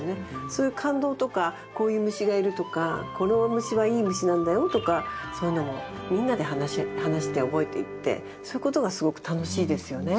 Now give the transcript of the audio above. そういう感動とかこういう虫がいるとかこの虫はいい虫なんだよとかそういうのもみんなで話して覚えていってそういうことがすごく楽しいですよね。